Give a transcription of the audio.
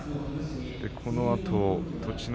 そのあと栃ノ